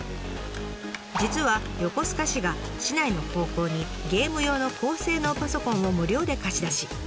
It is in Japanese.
実は横須賀市が市内の高校にゲーム用の高性能パソコンを無料で貸し出し！